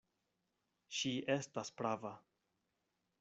Ŝi estas prava.